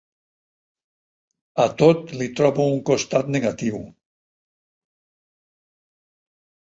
A tot li trobo un costat negatiu.